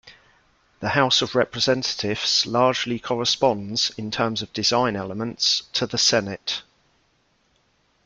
The House of Representatives largely corresponds, in terms of design elements, to the Senate.